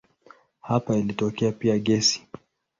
Hapa ilitokea pia gesi.